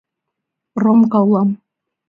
Ромка улам.